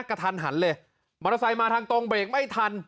กระทันหันเลยมอเตอร์ไซค์มาทางตรงเบรกไม่ทัน